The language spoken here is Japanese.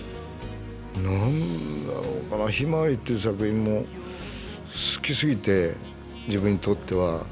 何だろうか「ひまわり」という作品も好きすぎて自分にとっては。